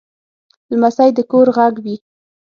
لمسی د کور غږ وي.